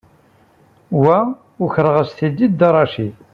Wa ukreɣ-as-t-id i Dda Racid.